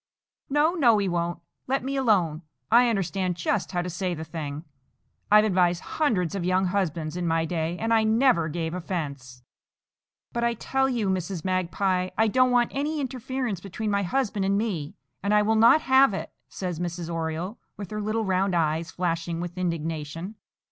"No, no, he won't. Let me alone. I understand just how to say the thing. I've advised hundreds of young husbands in my day, and I never gave offence." "But I tell you, Mrs. Magpie, I don't want any interference between my husband and me, and I will not have it," says Mrs. Oriole, with her little round eyes flashing with indignation.